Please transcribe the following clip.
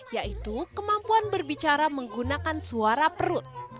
yaitu kemampuan berbicara menggunakan suara perut